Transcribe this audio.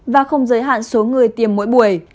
và không giới hạn số người tiêm mỗi buổi